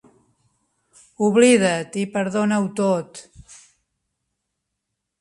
Oblida't i perdona-ho tot!